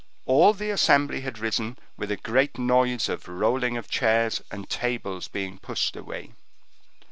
All the assembly had risen with a great noise of rolling of chairs and tables being pushed away.